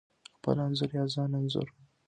خپل انځور یا ځان انځور: